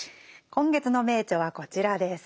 今月の名著はこちらです。